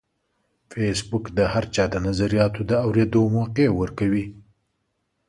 فېسبوک د هر چا د نظریاتو د اورېدو موقع ورکوي